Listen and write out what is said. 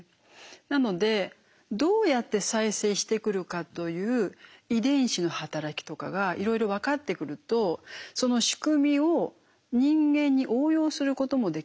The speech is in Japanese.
なのでどうやって再生してくるかという遺伝子の働きとかがいろいろ分かってくるとその仕組みを人間に応用することもできますよね。